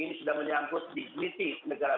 ini sudah menyangkut dignity negara